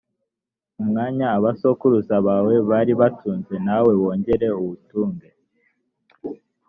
umwanya abasokuruza bawe bari batunze, nawe wongere uwutunge;